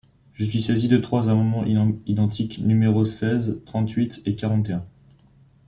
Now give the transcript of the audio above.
Je suis saisi de trois amendements identiques, numéros seize, trente-huit et quarante et un.